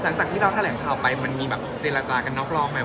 ที่สักทีเราถ่าแหล่งเท้าไปมันมีเจฬหักรากับน้องบลองไหม